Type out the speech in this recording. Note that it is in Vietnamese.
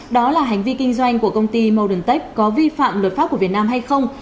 đó là hành vi kinh doanh của công ty moderntech có vi phạm luật pháp của việt nam hay không